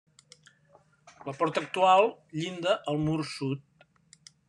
La porta actual llinda al mur sud.